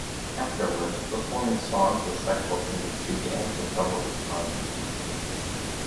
Afterwards, performing songs with sexual themes began to trouble his conscience.